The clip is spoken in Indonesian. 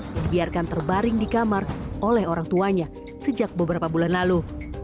yang dibiarkan terbaring di kamar oleh orang tuanya sejak beberapa bulan lalu